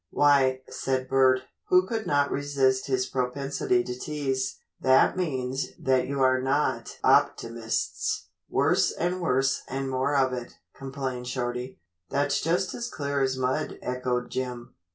"Why," said Bert, who could not resist his propensity to tease, "that means that you are not optimists." "Worse and worse and more of it," complained Shorty. "That's just as clear as mud," echoed Jim.